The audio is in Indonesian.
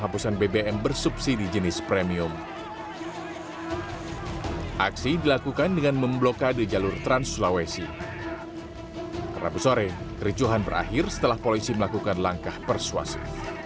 ketika polisi melakukan perang polisi menolak perang